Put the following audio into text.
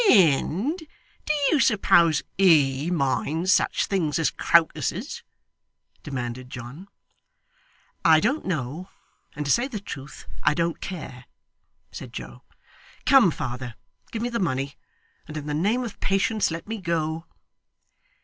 'And do you suppose HE minds such things as crocuses?' demanded John. 'I don't know, and to say the truth, I don't care,' said Joe. 'Come, father, give me the money, and in the name of patience let me go.